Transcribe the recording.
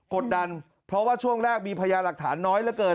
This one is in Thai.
กดดันเพราะว่าช่วงแรกมีพยาหลักฐานน้อยเหลือเกิน